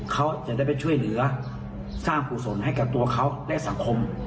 เขาจะได้ไปช่วยเหลือสร้างกุศลให้กับตัวเขาและสังคม